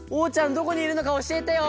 どこにいるのかおしえてよ！